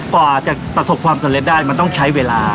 กว่าจะประสบความสำเร็จได้มันต้องใช้เวลา